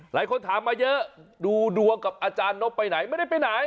หลายคนถามมาเยอะดูดวงกับอาจารย์นบไปไหนไม่ได้ไปไหน